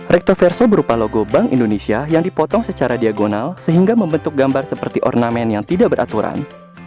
rektoverso berupa logo bank indonesia yang dipotong secara diagonal sehingga membentuk gambar seperti ornamen yang tidak beraturan